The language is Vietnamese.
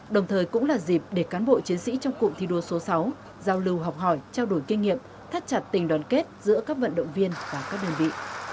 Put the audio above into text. đồng thời cũng là dịp để cán bộ chiến sĩ trong cụm thi đua số sáu giao lưu học hỏi trao đổi kinh nghiệm thắt chặt tình đoàn kết giữa các vận động viên và các đơn vị